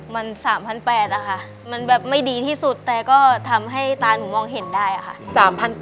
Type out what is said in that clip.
มัน๓๘๐๐บาทนะคะมันแบบไม่ดีที่สุดแต่ก็ทำให้ตาหนูมองเห็นได้ค่ะ